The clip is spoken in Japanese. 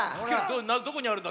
どこにあるんだ？